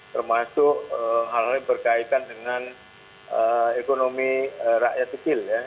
termasuk hal hal yang berkaitan dengan ekonomi rakyat kecil ya